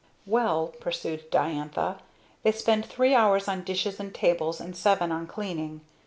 "Well," pursued Diantha, "they spend three hours on dishes and tables, and seven on cleaning.